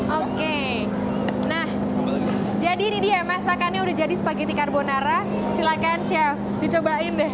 oke jadi ini dia masakannya udah jadi spaghetti carbonara silahkan chef dicobain deh